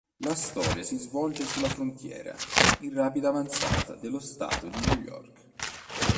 La storia si svolge sulla frontiera in rapida avanzata dello Stato di New York.